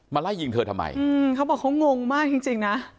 มาไล่ยิงเธอทำไมอืมเขาบอกเขางงมากจริงจริงนะ